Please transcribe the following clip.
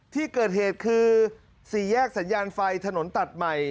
ที่เกิดเหตุคือสี่แยกสัญญาณไฟถนนตัดใหม่